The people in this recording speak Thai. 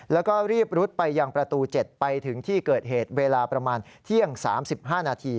แล้วก็รีบรุดไปยังประตู๗ไปถึงที่เกิดเหตุเวลาประมาณเที่ยง๓๕นาที